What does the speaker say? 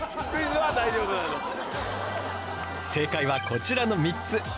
正解はこちらの３つ。